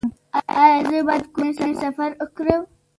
ایا زه باید کورنی سفر وکړم؟